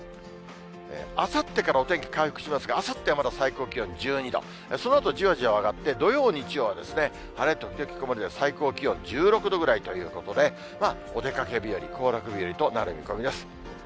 あさってからお天気回復しますが、あさってはまだ最高気温１２度、そのあとじわじわ上がって、土曜、日曜は、晴れ時々曇りで、最高気温１６度ぐらいということで、お出かけ日和、行楽日和となる見込みです。